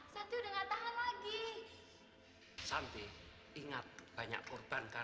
sampai jumpa di video selanjutnya